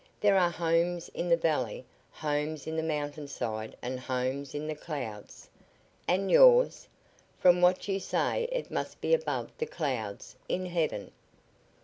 There are homes in the valley, homes on the mountain side and homes in the clouds." "And yours? From what you say it must be above the clouds in heaven."